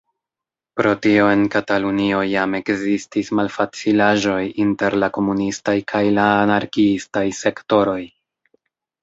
Pro tio en Katalunio jam ekzistis malfacilaĵoj inter la komunistaj kaj la anarkiistaj sektoroj.